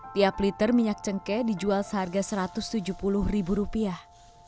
tiap liter minyak cengkeh dijual seharga satu ratus tujuh puluh ribu rupiah